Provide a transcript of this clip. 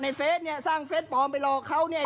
ในเฟซเนี่ยสร้างเฟสเปล่อไปหลอกเขานี่ไอ้